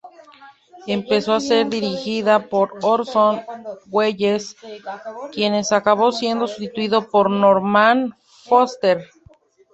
Empezó a ser dirigida por Orson Welles, quien acabó siendo sustituido por Norman Foster.